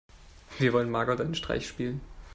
Wir wollen Margot einen Streich spielen.